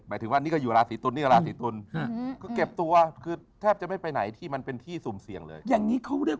หมายถึงว่านี่ก็อยู่ราสีตุลเก็บตัวแทบจะไม่ไปไหนที่มันเป็นที่ซุ่มเสี่ยงเลย